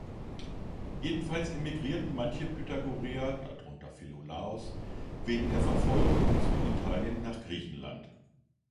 Jedenfalls emigrierten manche Pythagoreer, darunter Philolaos, wegen der Verfolgung in Süditalien nach Griechenland.